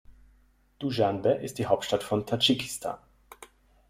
Duschanbe ist die Hauptstadt von Tadschikistan.